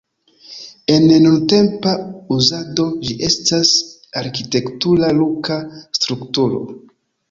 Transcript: En nuntempa uzado ĝi estas arkitektura luka strukturo.